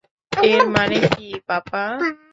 এর মানে কি, পাপা!